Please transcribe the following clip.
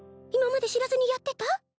今まで知らずにやってた？